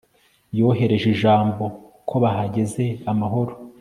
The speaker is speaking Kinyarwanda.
Yohereje ijambo ko bahageze amahoro